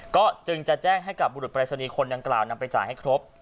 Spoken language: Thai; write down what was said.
ก็จึงจะแจ้งให้กับบุรุษปรายศนีย์คนดังกล่าวนำไปจ่ายให้ครบ